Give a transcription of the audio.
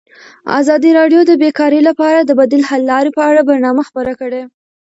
ازادي راډیو د بیکاري لپاره د بدیل حل لارې په اړه برنامه خپاره کړې.